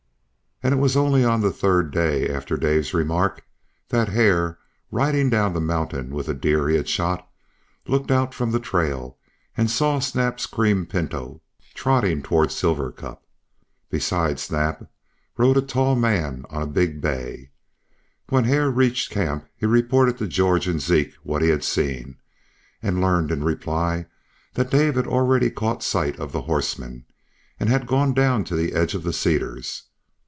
And it was only on the third day after Dave's remark that Hare, riding down the mountain with a deer he had shot, looked out from the trail and saw Snap's cream pinto trotting toward Silver Cup. Beside Snap rode a tall man on a big bay. When Hare reached camp he reported to George and Zeke what he had seen, and learned in reply that Dave had already caught sight of the horsemen, and had gone down to the edge of the cedars.